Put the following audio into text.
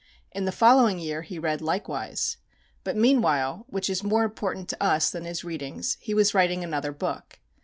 In the following year he read likewise. But meanwhile, which is more important to us than his readings, he was writing another book.